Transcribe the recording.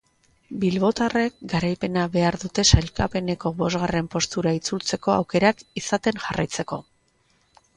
Bilbotarrek garaipena behar dute sailkapeneko bosgarren postura itzultzeko aukerak izaten jarraitzeko.